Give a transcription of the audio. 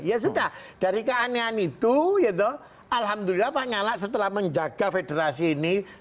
ya sudah dari keanehan itu alhamdulillah pak nyala setelah menjaga federasi ini